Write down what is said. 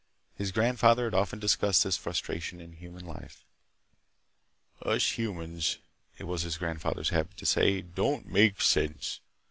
His grandfather had often discussed this frustration in human life. "Us humans," it was his grandfather's habit to say, "don't make sense!